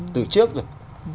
từ trước rồi